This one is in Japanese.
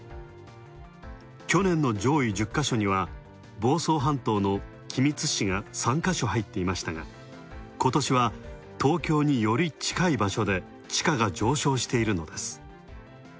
去年の上位１０箇所には房総半島の君津市が３か所入っていましたが、今年は、東京により近い場所で地価が上昇しているのです。